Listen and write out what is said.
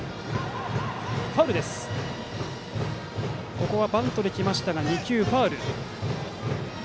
ここはバントできましたが２球、ファウル。